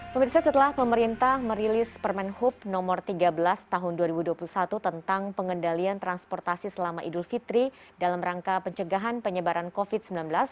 pemirsa setelah pemerintah merilis permen hub nomor tiga belas tahun dua ribu dua puluh satu tentang pengendalian transportasi selama idul fitri dalam rangka pencegahan penyebaran covid sembilan belas